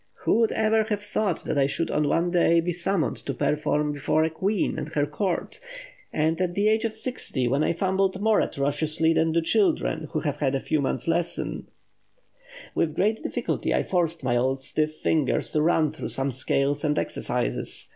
Who would ever have thought that I should one day be summoned to perform before a queen and her court, and at the age of sixty, when I fumbled more atrociously than do children who have had a few months' lessons?... With great difficulty I forced my old stiff fingers to run through some scales and exercises.